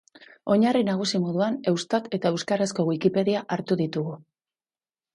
Oinarri nagusi moduan, Eustat eta Euskarazko Wikipedia hartu ditugu.